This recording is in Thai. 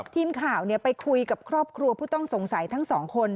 ทีมข่าวไปคุยกับครอบครัวผู้ต้องสงสัยทั้งสองคน